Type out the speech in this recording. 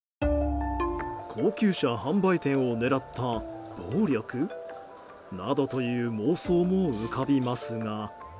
高級車販売店を狙った暴力？などという妄想も浮かびますが。